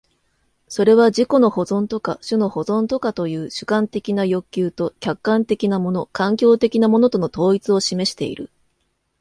それは自己の保存とか種の保存とかという主観的な欲求と客観的なもの環境的なものとの統一を示している。